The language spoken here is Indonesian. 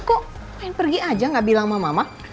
kok main pergi aja nggak bilang sama mama